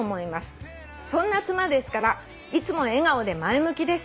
「そんな妻ですからいつも笑顔で前向きです」